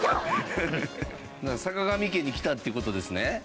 坂上家に来たって事ですね？